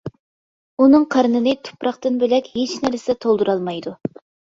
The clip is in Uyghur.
ئۇنىڭ قارنىنى تۇپراقتىن بۆلەك ھېچ نەرسە تولدۇرالمايدۇ.